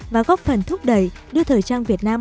và góp phần thúc đẩy đưa thời trang việt nam